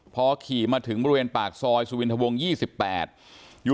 พอขี่มาถึงบริเวณปากซอยสุวินทะวง๒๘ช่วงปากซอย